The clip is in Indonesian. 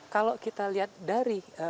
kalau kita lihat dari